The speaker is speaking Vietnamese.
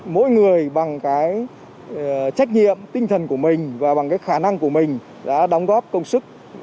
mỗi người bằng cái trách nhiệm tinh thần của mình và bằng cái khả năng của mình đã đóng góp công sức